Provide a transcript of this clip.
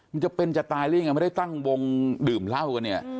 มันจะเป็นจะตายหรือยังไงไม่ได้ตั้งวงดื่มเหล้ากันเนี่ย